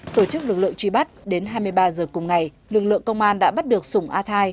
tổ chức lực lượng truy bắt đến hai mươi ba h cùng ngày lực lượng công an đã bắt được sùng a thai